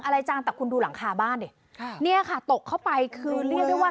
อะไรจังแต่คุณดูหลังคาบ้านดิค่ะเนี่ยค่ะตกเข้าไปคือเรียกได้ว่า